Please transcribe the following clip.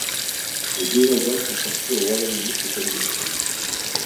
Les deux albums sont sortis au Royaume-Uni chez Columbia.